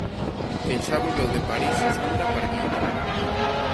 Quen xa volveu de París é Sandra Parguiña.